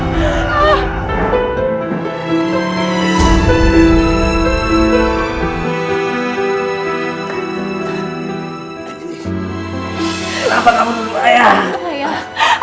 kenapa kamu menurut ayah